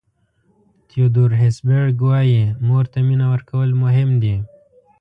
تیودور هسبرګ وایي مور ته مینه ورکول مهم دي.